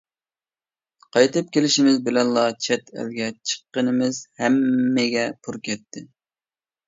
قايتىپ كېلىشىمىز بىلەنلا چەت ئەلگە چىققىنىمىز ھەممىگە پۇر كەتتى.